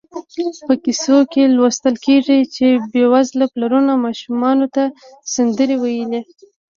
په کیسو کې لوستل کېږي چې بېوزله پلرونو ماشومانو ته سندرې ویلې.